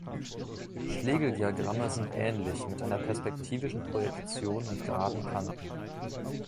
Schlegeldiagramme sind ähnlich, mit einer perspektivischen Projektion und geraden Kanten.